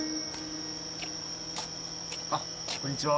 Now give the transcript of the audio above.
あっこんにちは。